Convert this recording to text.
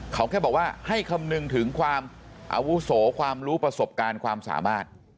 เขาแค่บอกว่าให้คำนึงถึงความอาวุโสความรู้ประสบการณ์ความสามารถ